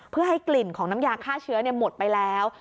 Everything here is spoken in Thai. เพื่อให้กลิ่นของน้ำยาฆ่าเชื้อหมดไปแล้ว